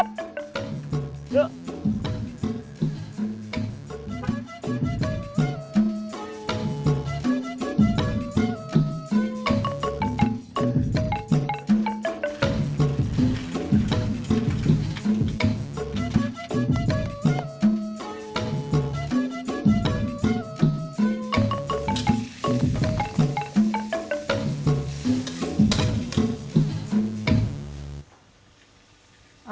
bisa temen terasingnya